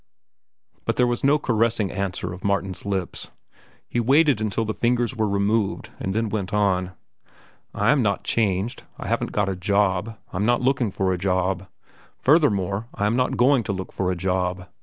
But there was no caressing answer of Martin's lips. He waited until the fingers were removed and then went on. "I am not changed. I haven't got a job. I'm not looking for a job. Furthermore, I am not going to look for a job.